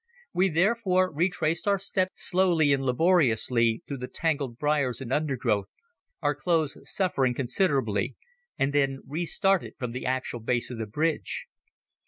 We therefore retraced our steps slowly and laboriously through the tangled briars and undergrowth, our clothes suffering considerably, and then restarted from the actual base of the bridge.